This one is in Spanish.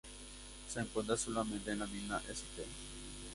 Se encuentra solamente en la mina St.